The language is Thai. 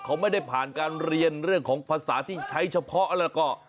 เขาไม่ได้ผ่านการเรียนเรื่องของภาษาที่ใช้เฉพาะแล้วก็